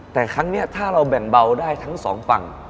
แต่ครั้งนี้ถ้าเราแบ่งเบาได้ทั้งสองฝั่ง